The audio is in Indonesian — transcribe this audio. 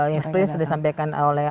yang sebelumnya sudah disampaikan oleh